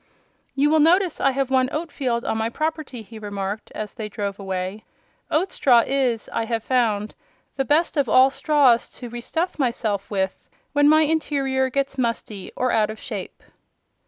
"You will notice I have one oat field on my property," he remarked, as they drove away. "Oat straw is, I have found, the best of all straws to re stuff myself with when my interior gets musty or out of shape."